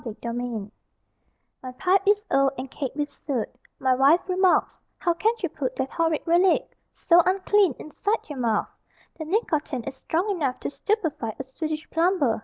MY PIPE My pipe is old And caked with soot; My wife remarks: "How can you put That horrid relic, So unclean, Inside your mouth? The nicotine Is strong enough To stupefy A Swedish plumber."